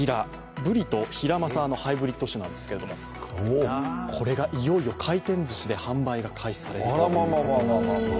ブリとヒラマサのハイブリット種なんですけどもこれがいよいよ回転ずしで販売が開始されるそうです。